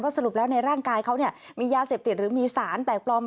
สรุปแล้วในร่างกายเขามียาเสพติดหรือมีสารแปลกปลอม